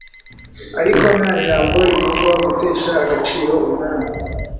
Ariko nta jambo rivugwa gutesha agaciro umwami